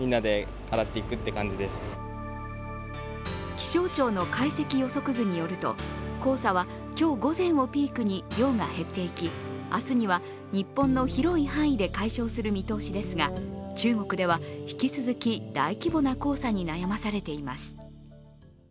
気象庁の解析予測図によると、黄砂は今日午前をピークに量が減っていき、明日には、日本の広い範囲で解消する見通しですが中国では引き続き大規模な黄砂に悩まされています。